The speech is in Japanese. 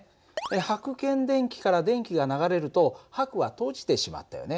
はく検電器から電気が流れるとはくは閉じてしまったよね。